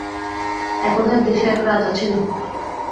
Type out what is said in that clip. একদা এক দেশে এক রাজা ছিল।